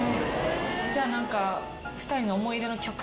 じゃあ何か。